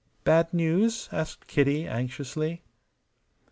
"Bad news?" asked Kitty, anxiously.